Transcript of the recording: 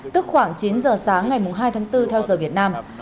tức khoảng chín giờ sáng ngày hai tháng bốn theo giờ việt nam